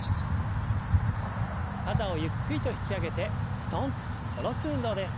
肩をゆっくりと引き上げてすとんと下ろす運動です。